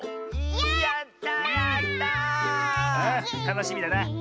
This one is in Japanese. たのしみだな。